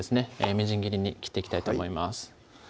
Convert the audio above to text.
みじん切りに切っていきたいと思います